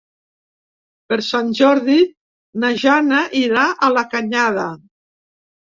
Per Sant Jordi na Jana irà a la Canyada.